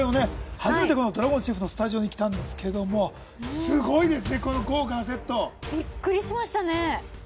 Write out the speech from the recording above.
初めてこのＤＲＡＧＯＮＣ来たんですけどもすごいですねこの豪華なセットびっくりしましたね